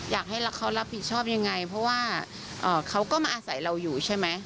อยากให้เขารับผิดชอบยังไงเพราะว่าเขาก็มาอาศัยเราอยู่ใช่ไหม